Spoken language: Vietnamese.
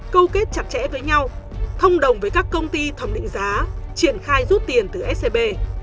câu kết chặt chẽ với nhau thông đồng với các công ty thẩm định giá triển khai rút tiền từ scb